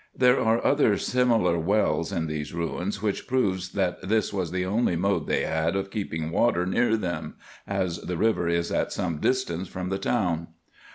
There are other similar wells in these ruins, which proves that tins was the only mode they had of keeping water near them, as the river is at some distance from the town.